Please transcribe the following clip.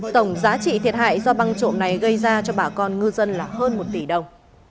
tổng giá trị thiệt hại do băng trộm này gây ra cho bà con ngư dân là hơn một tỷ đồng